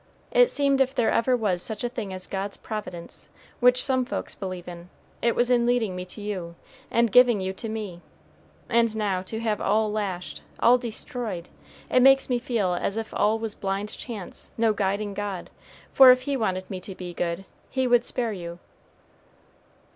It seemed if there ever was such a thing as God's providence, which some folks believe in, it was in leading me to you, and giving you to me. And now, to have all lashed all destroyed It makes me feel as if all was blind chance; no guiding God; for if he wanted me to be good, he would spare you."